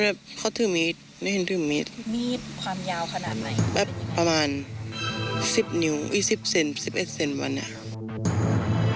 และก็มีชั้นข้าง